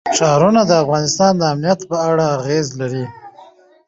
ښارونه د افغانستان د امنیت په اړه اغېز لري.